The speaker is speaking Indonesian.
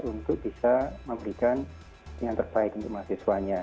untuk bisa memberikan yang terbaik untuk mahasiswanya